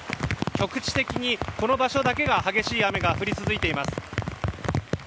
局地的にこの場所だけが激しい雨が降り続いています。